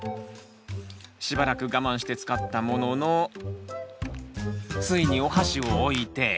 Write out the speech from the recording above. しばらく我慢して使ったもののついにおはしを置いて。